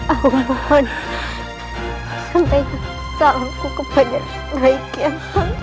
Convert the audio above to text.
awal awal santai salamku kepada rai kian